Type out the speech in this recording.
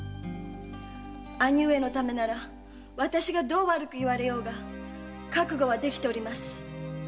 兄上のためなら私がどう悪く言われようが覚悟はできております。